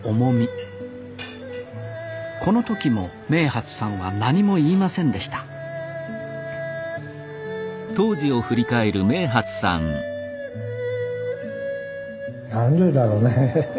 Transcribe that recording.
この時も明發さんは何も言いませんでした何でだろうね。